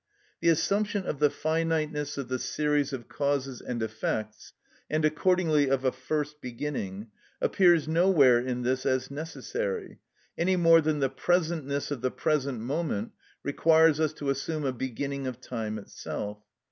The assumption of the finiteness of the series of causes and effects, and accordingly of a first beginning, appears nowhere in this as necessary, any more than the presentness of the present moment requires us to assume a beginning of time itself.